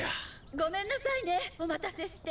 ごめんなさいねお待たせして。